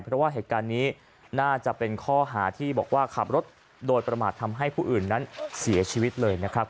เพราะว่าเหตุการณ์นี้น่าจะเป็นข้อหาที่บอกว่าขับรถโดยประมาททำให้ผู้อื่นนั้นเสียชีวิตเลยนะครับ